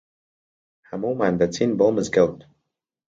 هەموومان دەچین بۆ مزگەوت.